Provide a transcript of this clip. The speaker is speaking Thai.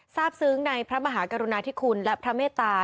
ทราบซึ้งในพระมหากรุณาธิคุณและพระเมตตา